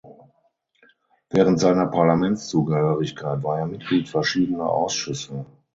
Während seiner Parlamentszugehörigkeit war er Mitglied verschiedener Ausschüsse.